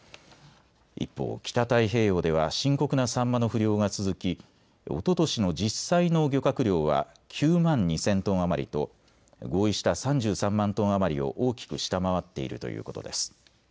一方、北太平洋では深刻なサンマの不漁が続きおととしの実際の漁獲量は９万２０００トン余りと合意した３３万トン余りを大きく下回っているということです。